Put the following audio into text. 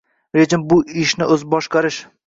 Rejim bu ishni “o‘zboshqarish”